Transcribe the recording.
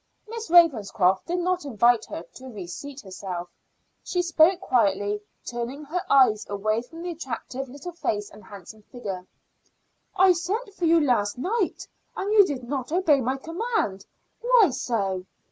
Miss Ravenscroft did not invite her to reseat herself. She spoke quietly, turning her eyes away from the attractive little face and handsome figure. "I sent for you last night and you did not obey my command. Why so?"